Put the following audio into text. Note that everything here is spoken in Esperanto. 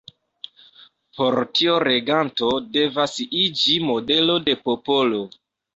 Por tio reganto devas iĝi modelo de popolo.